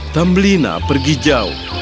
tambelina pergi jauh